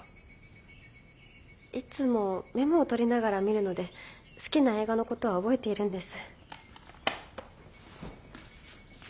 いつもメモを取りながら見るので好きな映画のことは覚えているんです。